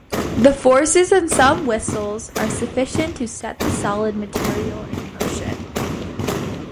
The forces in some whistles are sufficient to set the solid material in motion.